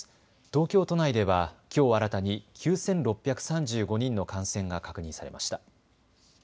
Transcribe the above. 東京都内ではきょう新たに９６３５人の感染が確認されました。